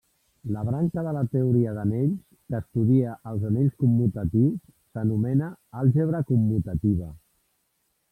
La branca de la teoria d'anells que estudia els anells commutatius s'anomena àlgebra commutativa.